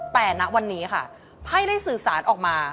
แต่ณวันนี้ค่ะไพ่ได้สื่อสารออกมา